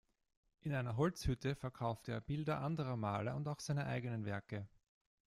In einer Holzhütte verkaufte er Bilder anderer Maler und auch seine eigenen Werke.